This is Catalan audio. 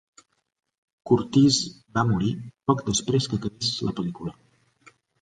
Curtiz va morir poc després que acabés la pel·lícula.